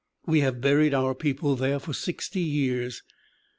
"We have buried our people there for sixty years.